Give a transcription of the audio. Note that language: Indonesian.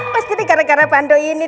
pasti gara gara pando ini